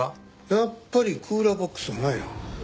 やっぱりクーラーボックスがないなあ。